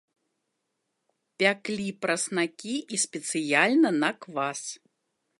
Пяклі праснакі і спецыяльна на квас.